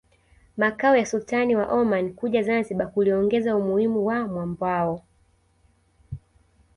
makao ya Sultani wa Oman kuja Zanzibar kuliongeza umuhimu wa mwambao